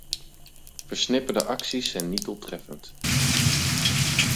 Versnipperde acties zijn niet doeltreffend.